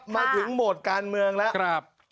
มาถึงโหมดการเมืองแล้ว